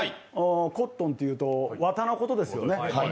コットンっていうと綿のことですよね。